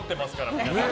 皆さん。